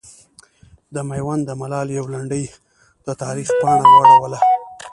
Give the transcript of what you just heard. د میوند د ملالې یوه لنډۍ د تاریخ پاڼه واړوله.